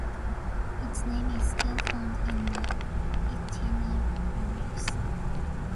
Its name is still found in the Itineraries.